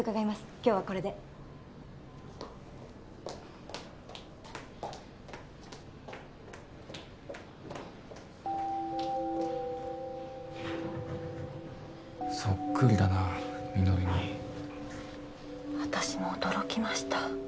今日はこれでそっくりだなみのりに私も驚きました